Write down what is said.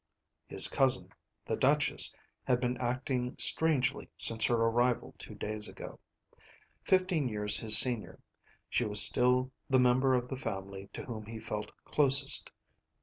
His cousin, the Duchess, had been acting strangely since her arrival two days ago. Fifteen years his senior, she was still the member of the family to whom he felt closest.